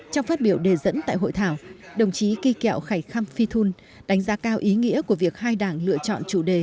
trong phát biểu đề dẫn tại hội thảo đồng chí kỳ kẹo khải khăm phi thun đánh giá cao ý nghĩa của việc hai đảng lựa chọn chủ đề